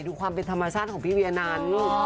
ความเป็นธรรมชาติของพี่เวียนั้น